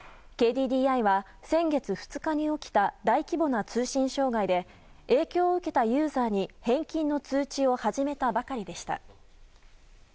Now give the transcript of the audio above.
ＫＤＤＩは先月２日に起きた大規模な通信障害で影響を受けたユーザーに返金の通知を始めたばかりでした。